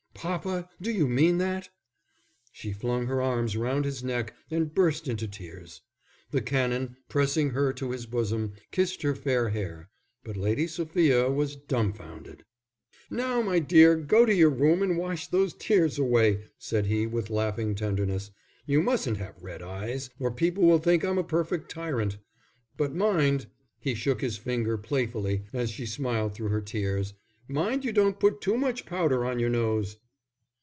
"Papa, do you mean that?" She flung her arms round his neck and burst into tears. The Canon, pressing her to his bosom, kissed her fair hair. But Lady Sophia was dumfounded. "Now, my dear, go to your room and wash those tears away," said he, with laughing tenderness. "You mustn't have red eyes, or people will think I'm a perfect tyrant. But mind," he shook his finger playfully as she smiled through her tears, "mind you don't put too much powder on your nose."